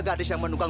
gadis yang menunggang